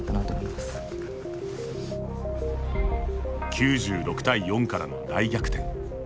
９６対４からの大逆転。